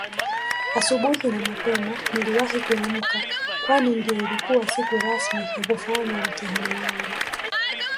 Asubuhi na mapema niliwahi kuamka Kwani ndio ilikuwa siku rasmi ya kufanya mtihani wangu